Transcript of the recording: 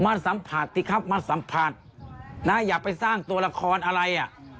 มาสัมผัสสิครับมาสัมผัสนะอย่าไปสร้างตัวละครอะไรอ่ะ